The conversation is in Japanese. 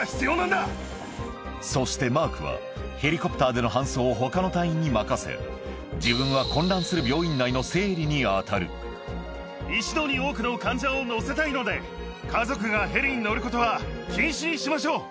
そしてマークは、ヘリコプターでの搬送をほかの隊員に任せ、自分は混乱する病院内一度に多くの患者を乗せたいので、家族がヘリに乗ることは禁止にしましょう。